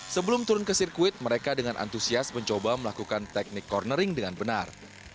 sebelum turun ke sirkuit mereka dengan antusias mencoba melakukan teknik cornering dengan benar